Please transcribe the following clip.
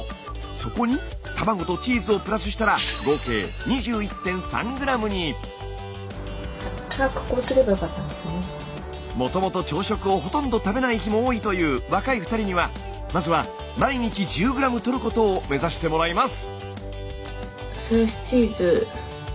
そこに卵とチーズをプラスしたら合計もともと朝食をほとんど食べない日も多いという若い２人にはまずは毎日１０ｇとることを目指してもらいます！